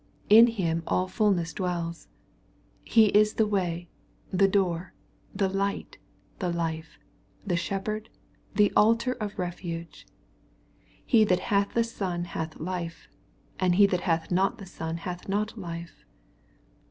In Him all fulness dwells^ He is the way, the door, the light, the life, the Shepherd, the altar of refuga He that hath the Son hath life, — ^and he that hath not the Son hath not life.